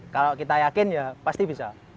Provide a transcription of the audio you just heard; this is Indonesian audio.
kalau kita yakin ya pasti bisa